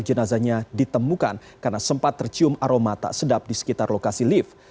jenazahnya ditemukan karena sempat tercium aroma tak sedap di sekitar lokasi lift